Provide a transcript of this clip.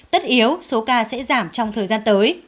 tất yếu số ca sẽ giảm trong thời gian tới